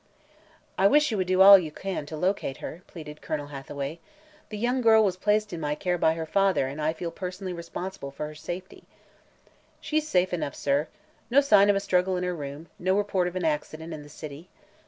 "I wish you would do all you can to locate her," pleaded Colonel Hathaway. "The young girl was placed in my care by her father and I feel personally responsible for her safety." "She's safe enough, sir. No sign of a struggle in her room; no report of an accident in the city.